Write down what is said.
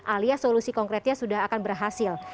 alias solusi konkretnya sudah akan berhasil